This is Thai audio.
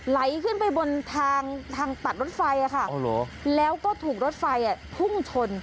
ไหลขึ้นไปบนทางทางตัดรถไฟแล้วก็ถูกรถไฟพุ่งชน